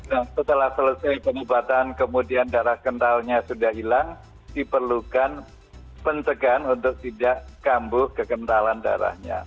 nah setelah selesai pengobatan kemudian darah kentalnya sudah hilang diperlukan pencegahan untuk tidak kambuh kekentalan darahnya